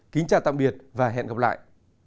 kính chào tạm biệt và hẹn gặp lại